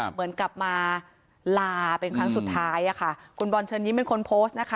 เหมือนกลับมาลาเป็นครั้งสุดท้ายอ่ะค่ะคุณบอลเชิญยิ้มเป็นคนโพสต์นะคะ